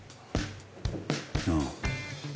ああ。